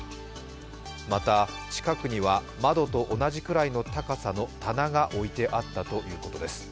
また、近くには窓と同じくらいの高さの棚が置いてあったということです。